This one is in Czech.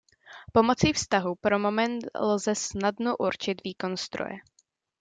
Pomocí vztahu pro moment lze snadno určit výkon stroje.